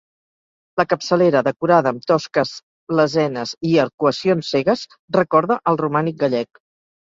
La capçalera, decorada amb tosques lesenes i arcuacions cegues, recorda al romànic gallec.